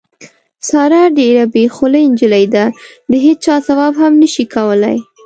ساره ډېره بې خولې نجیلۍ ده، د هېچا ځواب هم نشي کولی.